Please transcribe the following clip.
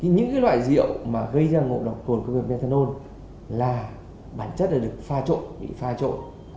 những loại rượu mà gây ra ngộ độc cồn công nghiệp methanol là bản chất được pha trộn bị pha trộn